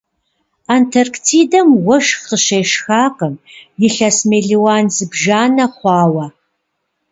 Антарктидэм уэшх къыщешхакъым илъэс мелуан зыбжанэ хъуауэ.